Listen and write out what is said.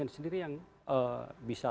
sendiri yang bisa